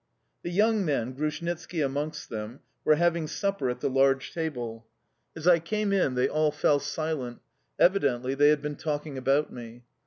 The young men, Grushnitski amongst them, were having supper at the large table. As I came in, they all fell silent: evidently they had been talking about me.